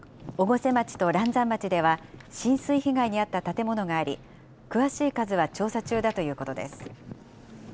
越生町と嵐山町では、浸水被害に遭った建物があり、詳しい数は調査中だということです。